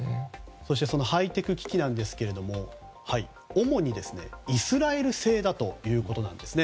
そしてそのハイテク機器なんですが主にイスラエル製だということなんですね。